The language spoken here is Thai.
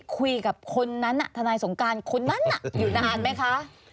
คุยกับคนนั้นทนายสงการคนนั้นอยู่นานไหมคะ